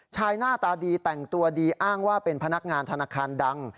หน้าตาดีแต่งตัวดีอ้างว่าเป็นพนักงานธนาคารดัง